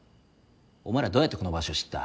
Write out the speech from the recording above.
お前らどうやってこの場所知った？